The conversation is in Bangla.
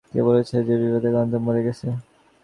কে বলেছে যে, বিবেকানন্দ মরে গেছে।